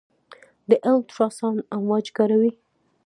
د الټراساونډ امواج کاروي.